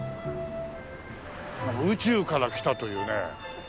宇宙から来たというね。